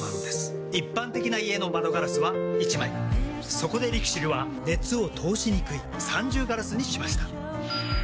そこでＬＩＸＩＬは熱を通しにくい三重ガラスにしました。